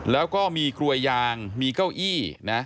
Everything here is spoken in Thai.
แล้วก็มีกลวยยางมีเก้าอี้นะ